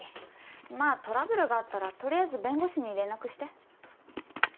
まあトラブルがあったらとりあえず弁護士に連絡して。